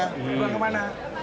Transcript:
dibuang ke mana